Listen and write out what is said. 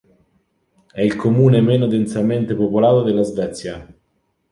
È il comune meno densamente popolato della Svezia.